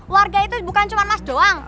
warga itu bukan cuma mas doang